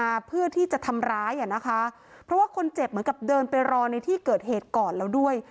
เพื่อที่จะทำร้ายอ่ะนะคะเพราะว่าคนเจ็บเหมือนกับเดินไปรอในที่เกิดเหตุก่อนแล้วด้วย